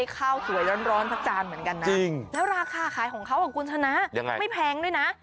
ข้าวสวยร้อนสักจานเหมือนกันนะแล้วราคาขายของเขาคุณชนะยังไงไม่แพงด้วยนะ